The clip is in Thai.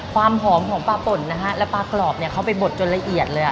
ความหอมของปลาป่นนะฮะแล้วปลากรอบเนี่ยเขาไปบดจนละเอียดเลย